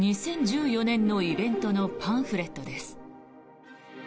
２０１４年のイベントのパンフレットです。